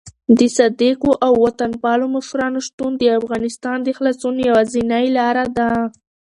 د صادقو او وطن پالو مشرانو شتون د افغانستان د خلاصون یوازینۍ لاره ده.